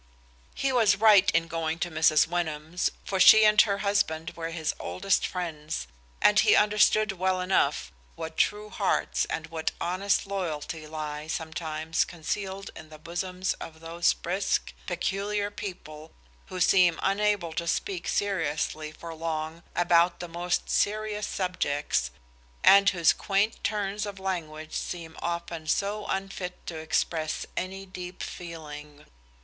He was right in going to Mrs. Wyndham's, for she and her husband were his oldest friends, and he understood well enough what true hearts and what honest loyalty lie sometimes concealed in the bosoms of those brisk, peculiar people, who seem unable to speak seriously for long about the most serious subjects, and whose quaint turns of language seem often so unfit to express any deep feeling.